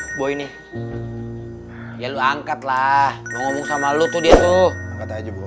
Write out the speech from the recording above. hai boy nih ya lu angkat lah ngomong sama lu tuh dia tuh aja